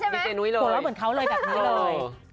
หัวเราเหมือนเขาเลยแบบนี้เลย